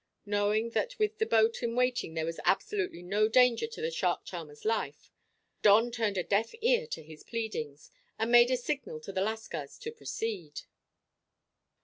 Knowing that with the boat in waiting there was absolutely no danger to the shark charmer's life, Don turned a deaf ear to his pleadings, and made a signal to the lascars to proceed.